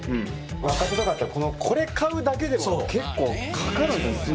若手とかだとこれ買うだけでも結構かかるんですよ。